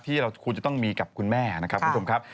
ที่เราควรจะต้องมีกับคุณแม่นะครับคุณผู้ชมครับ